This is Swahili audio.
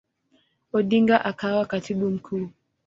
Odinga akawa Katibu Mkuu.